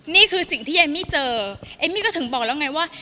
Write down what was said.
นี่คือสิ่งที่เอมมี่เจอเอมมี่ก็ถึงบอกแล้วไงว่า